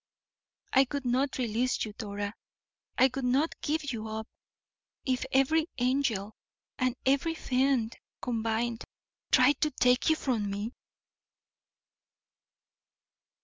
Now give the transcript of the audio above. "I would not release you, Dora. I would not give you up, if every angel, and every fiend combined, tried to take you from me!"